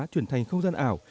chuyển thành không gian ảo